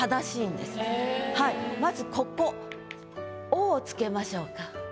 まずここ「お」を付けましょうか。